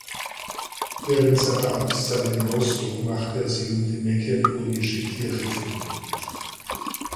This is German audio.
Während seiner Amtszeit in Rostock machte er sich um die mecklenburgische Kirche verdient.